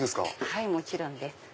はいもちろんです。